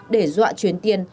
để dọa chuyển tiền